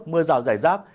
mưa rào rải rác